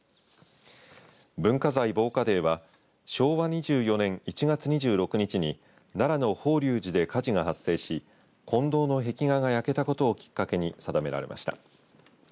文化財防火デーは昭和２４年１月２６日に奈良の法隆寺で火事が発生し金堂の壁画が焼けたことをきっかけに定められました。